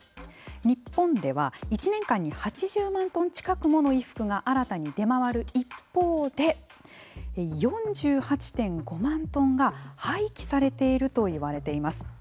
日本では、１年間に８０万トン近くもの衣服が新たに出回る一方で４８．５万トンが廃棄されていると言われています。